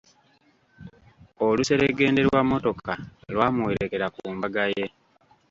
Oluseregende lwa mmotoka lwamuwerekera ku mbaga ye.